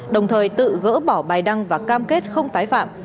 đồng thời tự gỡ bỏ bài đăng và cam kết không tái phạm